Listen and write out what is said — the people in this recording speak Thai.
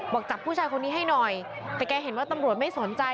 บอกจับผู้ชายคนนี้ให้หน่อยแต่แกเห็นว่าตำรวจไม่สนใจ